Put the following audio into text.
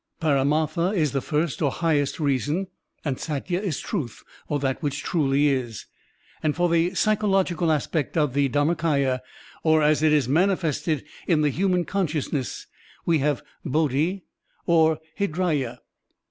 Param5,rtha is the first or highest reason, and Satya is truth or that which truly is. And for the psychological aspect of the Dharmakaya, or as it is manifested in the himian consciousness, we have Bodhi or Hridaya.